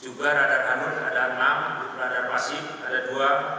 juga radar hanun ada enam radar pasif ada dua